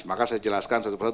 maka saya jelaskan satu persatu